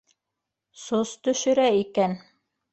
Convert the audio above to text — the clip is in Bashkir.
Сос төшөрә икән.